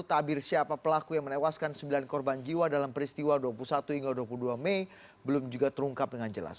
tabir siapa pelaku yang menewaskan sembilan korban jiwa dalam peristiwa dua puluh satu hingga dua puluh dua mei belum juga terungkap dengan jelas